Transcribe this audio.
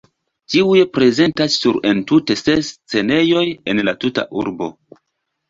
Tiuj prezentas sur entute ses scenejoj en la tuta urbo.